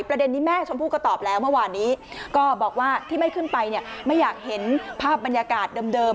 ประเด็นนี้แม่ชมพู่ก็ตอบแล้วเมื่อวานนี้ก็บอกว่าที่ไม่ขึ้นไปเนี่ยไม่อยากเห็นภาพบรรยากาศเดิม